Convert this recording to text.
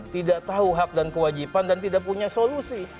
tidak tahu hak dan kewajiban dan tidak punya solusi